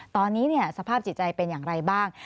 ตอนนี้สภาพจิตใจเป็นอย่างไรบ้าง